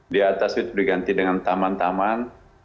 di atas itu diganti dengan taman taman